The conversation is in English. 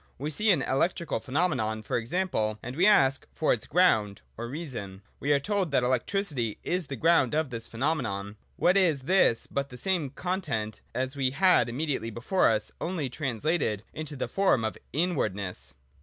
We see an electrical phenomenon, for example, and we ask for its ground (or reason) : we are told that electricity is the ground of this phenomenon. What is this but the same content as we had immediately before us, only trans lated into the form of inwardness